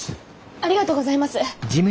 ありがとうございます。